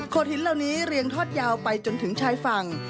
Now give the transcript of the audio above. หินเหล่านี้เรียงทอดยาวไปจนถึงชายฝั่ง